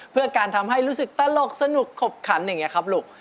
เพื่อการทำให้รู้สึกตลกสนุกขบขันอย่างนี้ครับลูก